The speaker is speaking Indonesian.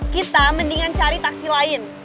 kita mendingan cari taksi lain